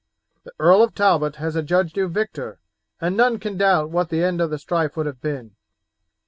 The Earl of Talbot has adjudged you victor, and none can doubt what the end of the strife would have been.